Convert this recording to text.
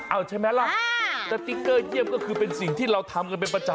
เอาใช่ไหมล่ะสติ๊กเกอร์เยี่ยมก็คือเป็นสิ่งที่เราทำกันเป็นประจำ